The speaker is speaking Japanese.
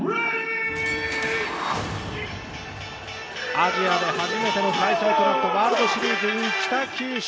アジアで始めての開催となったワールドゲームズｉｎ北九州。